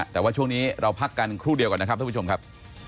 แต่ว่าช่วงนี้เราพักกันครู่เดียวก่อนนะครับท่านผู้ชมครับ